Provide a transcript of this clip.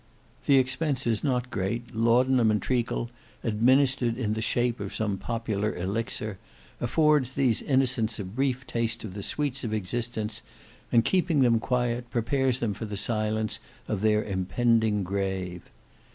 The expense is not great: laudanum and treacle, administered in the shape of some popular elixir, affords these innocents a brief taste of the sweets of existence, and keeping them quiet, prepares them for the silence of their impending grave.